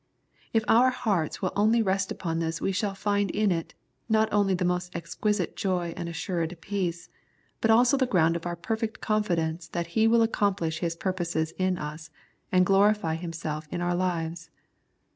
If our hearts will only rest upon this we shall find in it, not only the most exquisite joy and assured peace, but also the ground of our perfect confidence that He will accomplish His purposes in us, and glorify Himself in our lives.